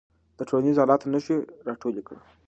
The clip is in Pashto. د ټولنیز حالت نښې راټولې کړه.